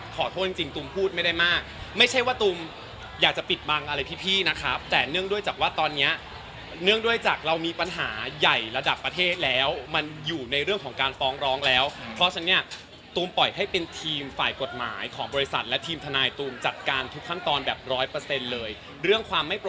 ขอโทษจริงตูมพูดไม่ได้มากไม่ใช่ว่าตูมอยากจะปิดบังอะไรที่พี่นะครับแต่เนื่องด้วยจากว่าตอนนี้เนื่องด้วยจากเรามีปัญหาใหญ่ระดับประเทศแล้วมันอยู่ในเรื่องของการฟ้องร้องแล้วเพราะฉะนั้นเนี่ยตูมปล่อยให้เป็นทีมฝ่ายกฎหมายของบริษัทและทีมทนายตูมจัดการทุกขั้นตอนแบบร้อยเปอร์เซ็นต์เลยเรื่องความไม่โปร